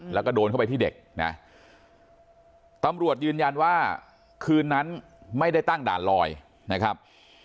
แล้วก็โดนเข้าไปที่เด็กนะตำรวจยืนยันว่าคืนนั้นไม่ได้ตั้งด่านลอยนะครับ